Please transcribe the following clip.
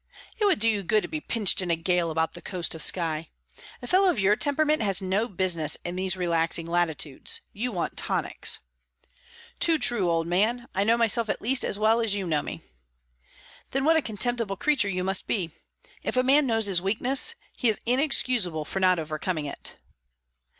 It would do you good to be pitched in a gale about the coast of Skye. A fellow of your temperament has no business in these relaxing latitudes. You want tonics." "Too true, old man. I know myself at least as well as you know me." "Then what a contemptible creature you must be! If a man knows his weakness, he is inexcusable for not overcoming it."